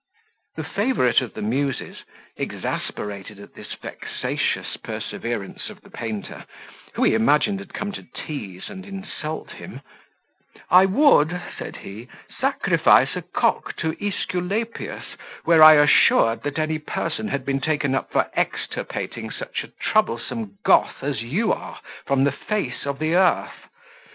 The favourite of the muses, exasperated at this vexatious perseverance of the painter, who he imagined had come to tease and insult him, "I would," said he, "sacrifice a cock to Esculapius, were I assured that any person had been taken up for extirpating such a troublesome Goth as you are from the face of the earth.